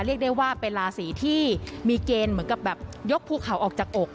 เรียกได้ว่าเป็นราศีที่มีเกณฑ์เหมือนกับแบบยกภูเขาออกจากอก